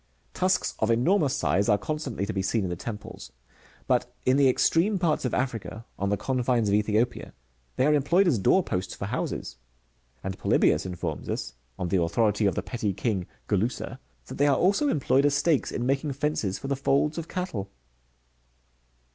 ^ Tusks of enormous size are constantly to be seen in the temples ; but, in the extreme parts of Africa, on the confines of Ethi opia, they are employed as door posts for houses ; and Polybius informs us, on the authority of the petty king Gulussa,"*^ that they are also employed as stakes in making fences for the folds of cattle.